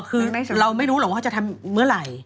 คือเราไม่รู้หรอกว่าเขาจะทำเมื่อไหร่